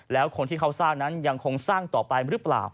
แล้วคนที่เขาสร้างนั้นยังคงสร้างต่อไปหรือเปล่า